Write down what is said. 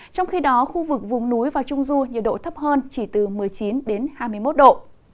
trong khi đó khu vực vùng núi và trung du nhiệt độ thấp hơn chỉ từ một mươi chín hai mươi một độ